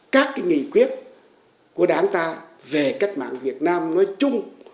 các nghị quyết của đảng ta về cách mạng việt nam nói chung